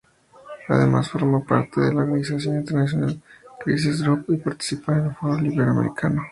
Además forma parte de la organización internacional Crisis Group y participa del Foro Iberoamericano.